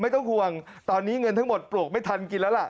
ตอนนี้เงินทั้งหมดปลูกไม่ทันกินแล้วล่ะ